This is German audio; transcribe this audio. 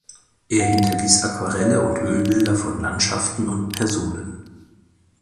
Er hinterließ Aquarelle und Ölbilder von Landschaften und Personen.